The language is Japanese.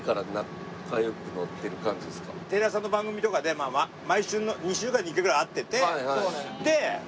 テレ朝の番組とかで２週間に１回ぐらい会ってて。